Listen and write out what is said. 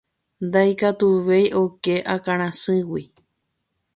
Ndaikatuvéi oke akãrasýgui.